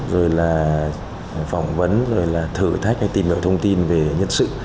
rồi là phỏng vấn rồi là thử thách hay tìm hiểu thông tin về nhân sự